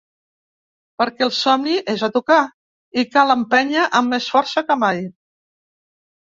Perquè el somni és a tocar i cal empènyer amb més força que mai.